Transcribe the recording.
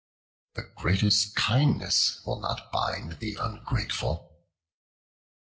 The greatest kindness will not bind the ungrateful.